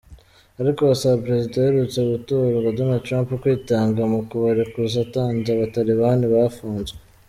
Ariko basaba prezida aherutse gutorwa Donald Trump kwitanga mu kubarekuza atanze abatalibani bapfunzwe.